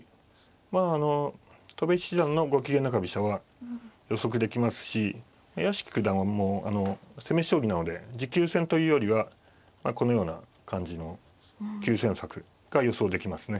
まああの戸辺七段のゴキゲン中飛車は予測できますし屋敷九段はもう攻め将棋なので持久戦というよりはこのような感じの急戦の策が予想できますね。